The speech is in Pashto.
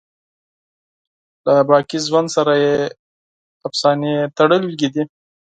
له باقی ژوند سره یې افسانې تړلي دي.